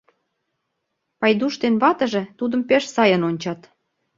Пайдуш ден ватыже тудым пеш сайын ончат.